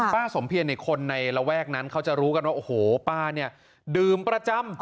ป้าสมเพียรคนในระแวกนั้นเขาจะรู้กันว่าโอ้โหป้าเนี่ยดื่มประจำ